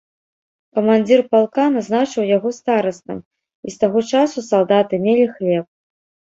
Камандзір палка назначыў яго старастам, і з таго часу салдаты мелі хлеб.